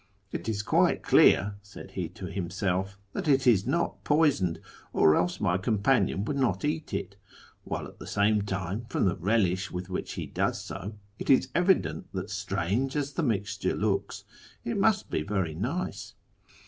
* It is quite clear,' said he to himself, ' that it is not poisoned, or else my companion would not eat it ; while at the same time, from the relish with which he does so, it is evident that, strange as the mixture looks, it must be very nice.'